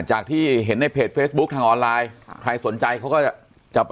ที่เห็นในเพจเฟซบุ๊คทางออนไลน์ค่ะใครสนใจเขาก็จะไป